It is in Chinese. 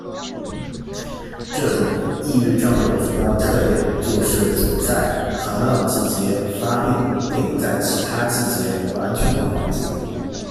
这种抑郁症的主要特点就是总是在寒冷季节发病并在其他季节完全缓解。